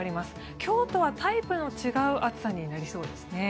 今日とはタイプの違う暑さになりそうですね。